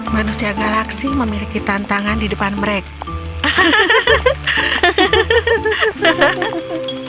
manusia galaksi memiliki tantangan di depan mereka